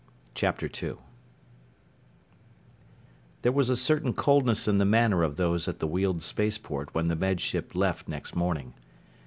2 There was a certain coldness in the manner of those at the Weald spaceport when the Med Ship left next morning.